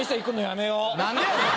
何でやねん。